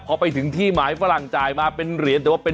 พอไปถึงที่หมายฝรั่งจ่ายมาเป็นเหรียญ